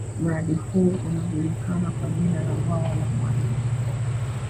Mradi huu unajulikana kwa jina la Bwawa la mwalimu nyerere